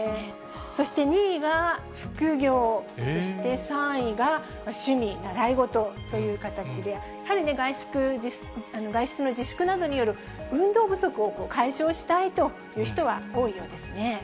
そして、２位が副業、そして３位が趣味・習い事という感じで、やはり外出の自粛などによる運動不足を解消したいという人は多いようですね。